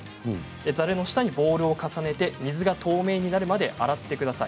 ざるの下にボウルを重ねて水が透明になるまで洗ってください。